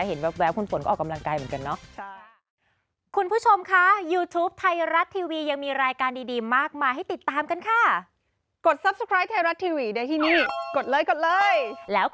แว๊บคุณฝนก็ออกกำลังกายเหมือนกันเนาะ